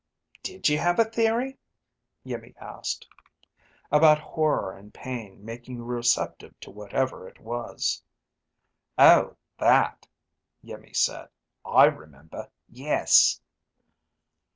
"Did you have a theory?" Iimmi asked. "About horror and pain making you receptive to whatever it was." "Oh, that," Iimmi said. "I remember. Yes."